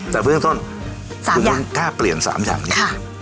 แต่เบื้องต้นคุณกล้าเปลี่ยน๓อย่างนี้